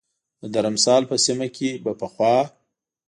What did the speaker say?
د درمسال په سیمه کې به پخوا